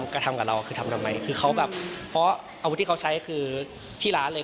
กระทำกับเราคือทำทำไมคือเขาแบบเพราะอาวุธที่เขาใช้คือที่ร้านเลย